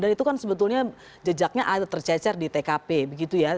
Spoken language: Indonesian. karena misalkan sebetulnya jejaknya tercacer di tkp gitu ya